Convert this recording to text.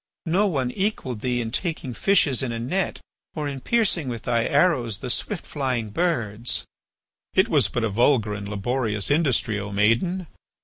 No one equalled thee in taking fishes in a net or in piercing with thy arrows the swift flying birds." "It was but a vulgar and laborious industry, O maiden.